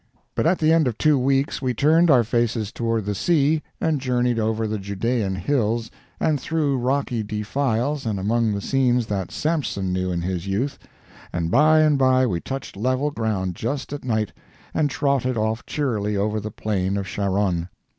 But at the end of two weeks we turned our faces toward the sea and journeyed over the Judean hills, and through rocky defiles, and among the scenes that Samson knew in his youth, and by and by we touched level ground just at night, and trotted off cheerily over the plain of Sharon.